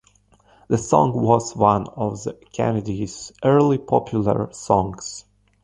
The song was one of the Kennedys' early popular songs.